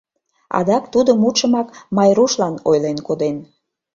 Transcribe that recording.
Адак тудо мутшымак Майрушлан ойлен коден.